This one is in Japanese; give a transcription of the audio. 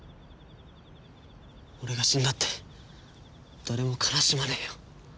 俺が死んだって誰も悲しまねえよ。